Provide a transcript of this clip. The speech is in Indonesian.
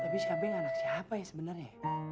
tapi si abeng anak siapa ya sebenarnya